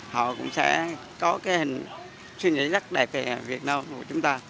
họ cũng sẽ có cái hình suy nghĩ rất đẹp về việt nam của chúng ta